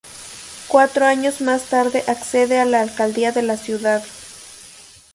Cuatro años más tarde accede a la alcaldía de la ciudad.